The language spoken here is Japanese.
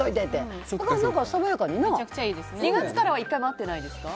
２月からは１回も会ってないですか？